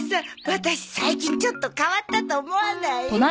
ワタシ最近ちょっと変わったと思わない？えっ？